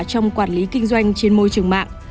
trong quản lý kinh doanh trên môi trường mạng